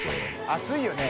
熱いよね。